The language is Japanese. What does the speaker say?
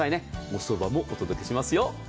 おそばもお届けいたします。